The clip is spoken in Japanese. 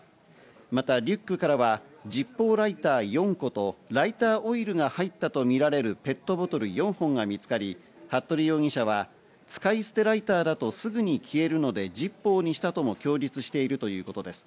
またリュックからはジッポーライター４個とライターオイルが入ったとみられるペットボトル４本が見つかり、服部容疑者は使い捨てライターだとすぐに消えるのでジッポーにしたとも供述しているということです。